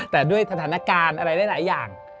แต่ด้วยสถานการณ์อะไรหลายอย่าง